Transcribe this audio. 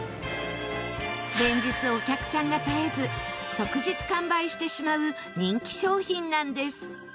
連日お客さんが絶えず即日完売してしまう人気商品なんです。